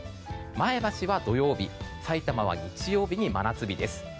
前橋は土曜日埼玉は日曜日に真夏日です。